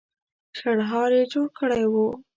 شړهار يې جوړ کړی و.